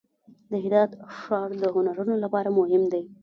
د هرات ښار د هنرونو لپاره مهم دی.